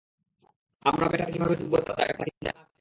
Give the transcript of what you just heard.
আমরা ব্যাংকটাতে কিভাবে ঢুকবো তা কি জানা আছে?